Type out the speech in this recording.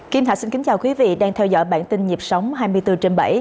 kim thạch xin kính chào quý vị đang theo dõi bản tin nhịp sống hai mươi bốn trên bảy